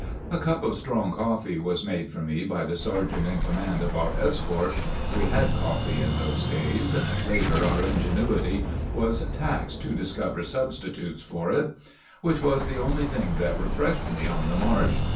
A cup of strong coffee was made for me by the sergeant in command of our escort, (we had coffee in those days, later our ingenuity was taxed to discover substitutes for it), which was the only thing that refreshed me on the march.